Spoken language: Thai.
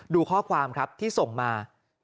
ดูข้อความครับที่ส่งมา